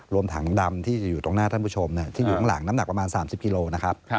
ถังดำที่จะอยู่ตรงหน้าท่านผู้ชมที่อยู่ข้างหลังน้ำหนักประมาณ๓๐กิโลนะครับ